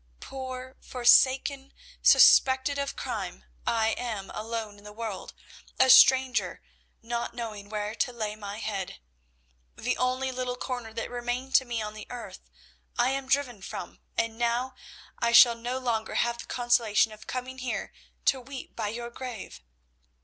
Poor, forsaken, suspected of crime, I am alone in the world, a stranger, not knowing where to lay my head. The only little corner that remained to me on the earth I am driven from, and now I shall no longer have the consolation of coming here to weep by your grave!"